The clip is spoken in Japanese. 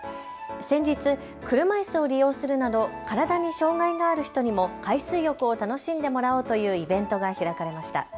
先日、車いすを利用するなど体に障害がある人にも海水浴を楽しんでもらおうというイベントが開かれました。